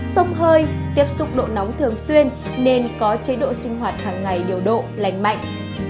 sông hơi tiếp xúc độ nóng thường xuyên nên có chế độ sinh hoạt hàng ngày điều độ lành mạnh